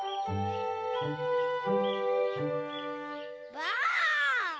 ばあっ！